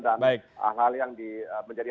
hal hal yang menjadi